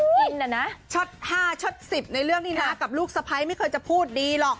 กินน่ะนะช็อต๕ช็อต๑๐ในเรื่องนี้นะกับลูกสะพ้ายไม่เคยจะพูดดีหรอก